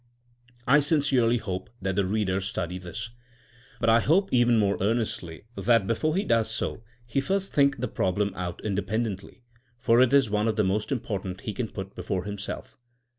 I sincerely hope that the reader study this. But I hope even more earnestly that before he does so he first think the problem out independently, for it is one of the most important he can put before himself.